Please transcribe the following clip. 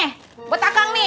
nih buat akang nih